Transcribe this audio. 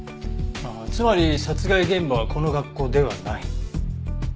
ああつまり殺害現場はこの学校ではない。